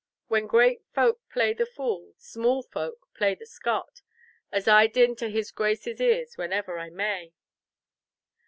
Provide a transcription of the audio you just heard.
When great folk play the fool, small folk pay the scot, as I din into his Grace's ears whenever I may.